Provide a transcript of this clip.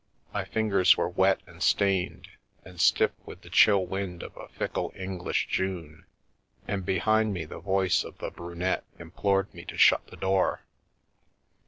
My fingers were wet and stained, and stiff with the chill wind of a fickle English June, and behind me the voice of the Brunette implored me to shut the door.